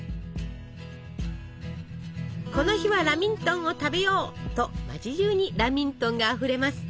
この日は「ラミントンを食べよう」と町じゅうにラミントンがあふれます。